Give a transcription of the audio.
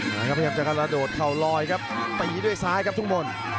พยายามจะกระโดดเข่าลอยครับตีด้วยซ้ายครับทุกคน